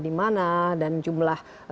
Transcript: di mana dan jumlah